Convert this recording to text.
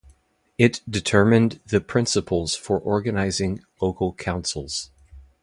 It determined the principles for organizing local councils.